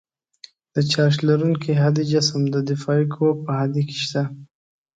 د چارج لرونکي هادي جسم د دافعې قوه په هادې کې شته.